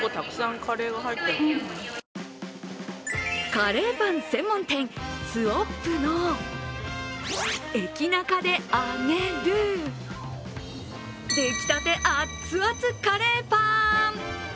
カレーパン専門店、ツオップのエキナカで揚げる出来たて熱々カレーパン。